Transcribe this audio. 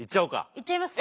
いっちゃいますか。